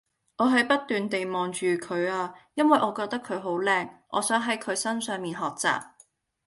我係不斷地望住佢啊因為我覺得佢好靚，我想喺佢身上面學習